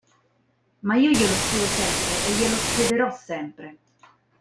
Ma io glielo scrivo sempre, e glielo scriverò sempre.